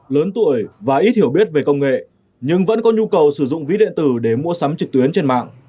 lớn tuổi và ít hiểu biết về công nghệ nhưng vẫn có nhu cầu sử dụng ví điện tử để mua sắm trực tuyến trên mạng